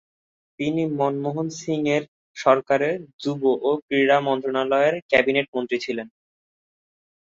তিনি মনমোহন সিং-এর সরকারে "যুব ও ক্রীড়া মন্ত্রণালয়ের" ক্যাবিনেট মন্ত্রী ছিলেন।